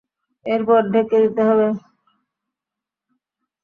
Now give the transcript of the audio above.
এরপর ঢেকে দিতে হবে।